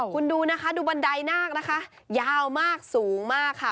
คุณดูนะคะดูบันไดนาคนะคะยาวมากสูงมากค่ะ